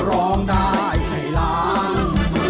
ร้องได้ให้ล้าน